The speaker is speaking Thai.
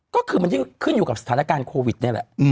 ก็คือมันยิ่งขึ้นอยู่กับสถานการณ์โควิดนี่แหละ